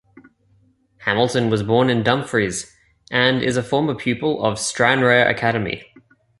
Hamilton was born in Dumfries and is a former pupil of Stranraer Academy.